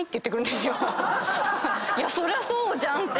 そりゃそうじゃん！って。